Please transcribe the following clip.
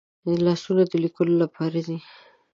لاسونه د لیکلو لپاره دي